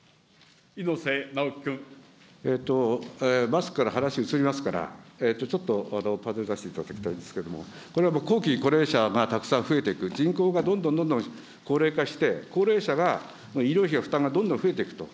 マスクから話移りますから、ちょっとパネル出していただきたいんですけれども、これはもう、後期高齢者がたくさん増えていく、人口がどんどんどんどん高齢化して、高齢者が医療費の負担がどんどん増えていくと。